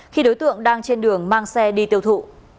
khi đối tượng đang trên đường mang xe đi tiêu thụ